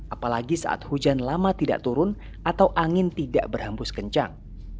apalagi saat hujan lama tidak turun atau angin tidak berhambus kencang